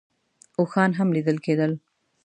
اوښان هم لیدل کېدل.